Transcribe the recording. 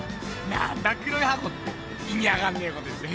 なんだ黒い箱って意味わかんねえこと言って。